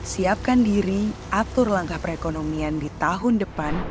siapkan diri atur langkah perekonomian di tahun depan